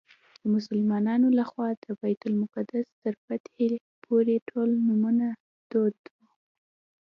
د مسلمانانو له خوا د بیت المقدس تر فتحې پورې ټول نومونه دود وو.